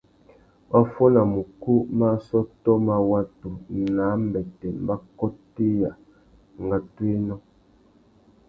Wa fôna mukú má assôtô má watu nà ambêtê, mbakôtéya, ngôtōénô.